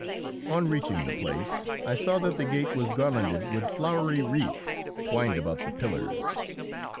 On reaching the place I saw that the gate was garlanded with flowery wreaths twined about the pillars.